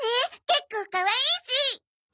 結構かわいいし。